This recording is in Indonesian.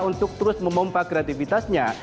untuk terus memompak kreatifitasnya